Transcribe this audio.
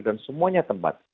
dan semuanya tempat